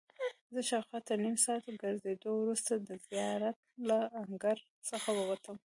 زه شاوخوا تر نیم ساعت ګرځېدو وروسته د زیارت له انګړ څخه ووتم.